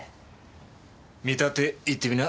見立て言ってみな。